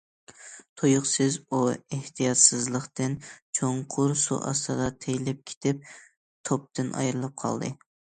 تۇيۇقسىز، ئۇ ئېھتىياتسىزلىقتىن چوڭقۇر سۇ ئاستىدا تېيىلىپ كېتىپ، توپتىن ئايرىلىپ قالدى.